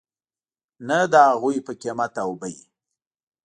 نه د هغوی په قیمت او بیې .